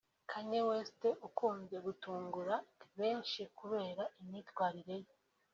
Kanye West ukunze gutungura benshi kubera imyitwarire ye